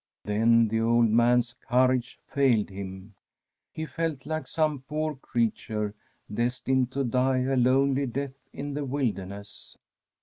Then the old man's courage failed him ; he felt like some poor creature destined to die a lonely death in the wilderness.